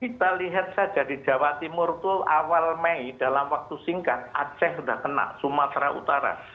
kita lihat saja di jawa timur itu awal mei dalam waktu singkat aceh sudah kena sumatera utara